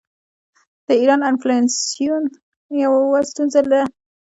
د ایران انفلاسیون یوه ستونزه ده.